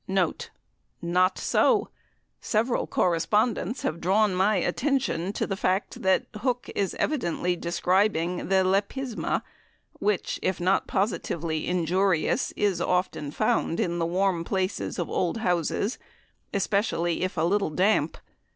Not so! Several correspondents have drawn my attention to the fact that Hooke is evidently describing the "Lepisma," which, if not positively injurious, is often found in the warm places of old houses, especially if a little damp.